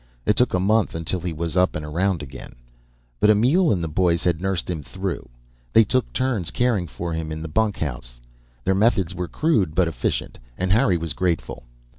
It took a month until he was up and around again. But Emil and the boys had nursed him through. They took turns caring for him in the bunkhouse; their methods were crude but efficient and Harry was grateful.